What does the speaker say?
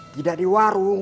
tidak di warung